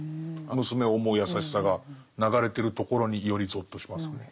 娘を思う優しさが流れてるところによりゾッとしますね。